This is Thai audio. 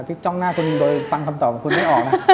พี่จ้องหน้ากูโดยฟังคำตอบคุณไม่ได้ออกนะ